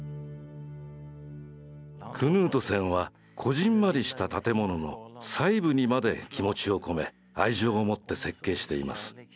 クヌートセンはこぢんまりした建物の細部にまで気持ちを込め愛情をもって設計しています。